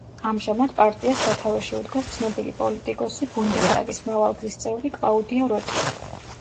ამჟამად, პარტიას სათავეში უდგას ცნობილი პოლიტიკოსი, ბუნდესტაგის მრავალგზის წევრი კლაუდია როტი.